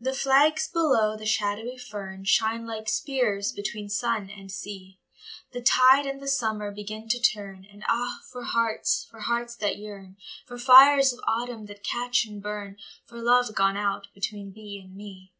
THE flags below the shadowy fern Shine like spears between sun and sea, The tide and the summer begin to turn, And ah, for hearts, for hearts that yearn, For fires of autumn that catch and burn, For love gone out between thee and me.